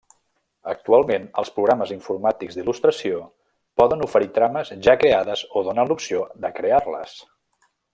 Actualment els programes informàtics d'il·lustració, poden oferir trames ja creades, o donen l'opció de crear-les.